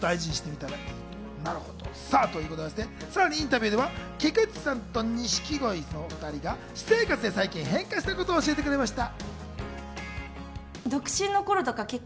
さらにインタビューでは菊地さんと錦鯉さんが私生活で最近、変化したことを教えてくれました。